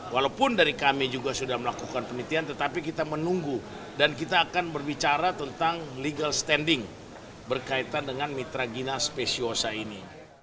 walaupun dari kami juga sudah melakukan penelitian tetapi kita menunggu dan kita akan berbicara tentang legal standing berkaitan dengan mitra gina spesiosa ini